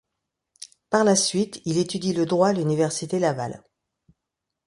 Par la suite, il étudie le droit à l'Université Laval.